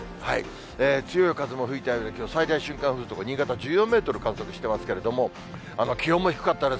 強い風も吹いたようで、最大瞬間風速、新潟１４メートル観測してますけれども、気温も低かったです。